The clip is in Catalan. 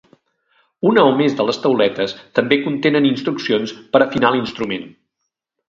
Una o més de les tauletes també contenen instruccions per afinar l'instrument.